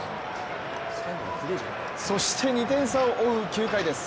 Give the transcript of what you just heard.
そして２点差を追う９回です。